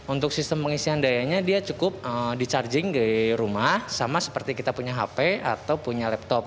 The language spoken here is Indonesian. untuk sistem pengisian dayanya dia cukup di charging di rumah sama seperti kita punya hp atau punya laptop